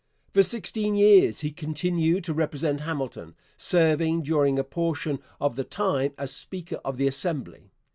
For sixteen years he continued to represent Hamilton, serving during a portion of the time as speaker of the Assembly.